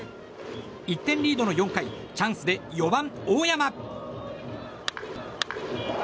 １点リードの４回チャンスで４番、大山！